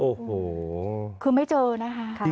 โอ้โหคือไม่เจอนะคะ